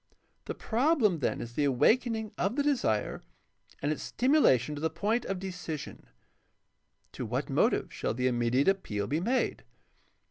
The problem then is the awakening of the desire and its stimulation to the point of decision. To what motive shall the immediate appeal be made